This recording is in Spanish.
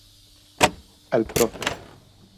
Al prof.